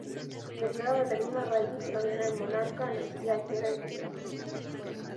Derivado de la misma raíz provienen monarca, anarquía y jerarquía.